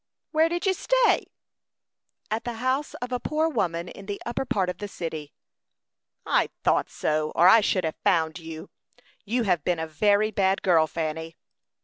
"Where did you stay?" "At the house of a poor woman in the upper part of the city." "I thought so; or I should have found you. You have been a very bad girl, Fanny."